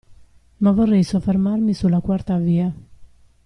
Ma vorrei soffermarmi sulla quarta via.